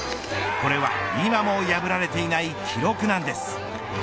これは今も破られていない記録なんです。